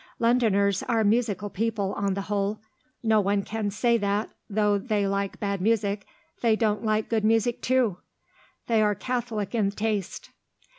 Londoners are musical people, on the whole; no one can say that, though they like bad music, they don't like good music, too; they are catholic in taste.